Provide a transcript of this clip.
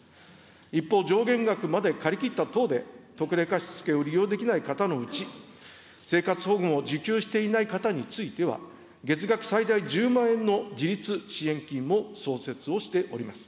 一方、上限額まで借り切った等で、特例貸し付けを利用できない方のうち、生活保護を受給していない方については、月額最大１０万円の自立支援金も創設をしております。